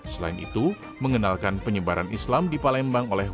selain itu mengenalkan penyebaran islam di palembang oleh